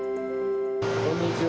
こんにちは。